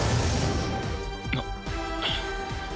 あっ。